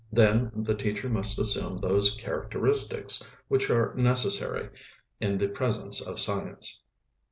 Then the teacher must assume those "characteristics" which are necessary in the presence of science.